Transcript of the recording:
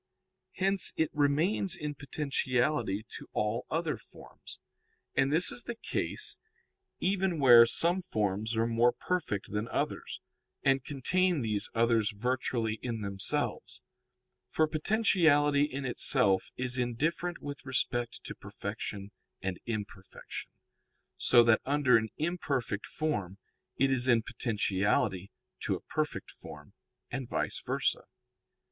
Hence it remains in potentiality to all other forms. And this is the case even where some forms are more perfect than others, and contain these others virtually in themselves. For potentiality in itself is indifferent with respect to perfection and imperfection, so that under an imperfect form it is in potentiality to a perfect form, and _vice versa.